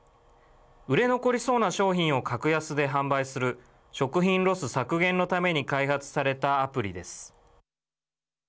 売れ残りそうな商品を格安で販売する食品ロス削減のために開発されたアプリです。